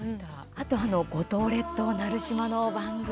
あと、五島列島、奈留島の番組。